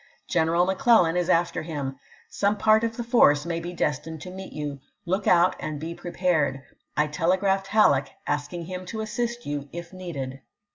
Greneral McClellan is after him. MarcbHo, Some part of the force may be destined to meet you. voi. x.. * Look out, and be prepared. I telegraphed Halleck, p. 612.' asking him to assist you if needed."